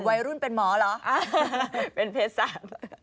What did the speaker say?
วัยรุ่นเป็นหมอเหรอเป็นเพศศาสตร์